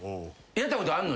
やったことあんの？